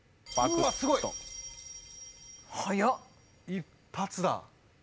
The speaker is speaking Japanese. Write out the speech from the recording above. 一発だ！